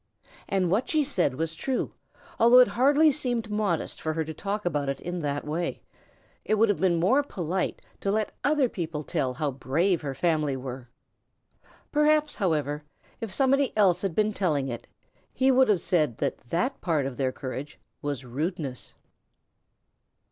And what she said was true, although it hardly seemed modest for her to talk about it in that way. It would have been more polite to let other people tell how brave her family were. Perhaps, however, if somebody else had been telling it, he would have said that part of their courage was rudeness.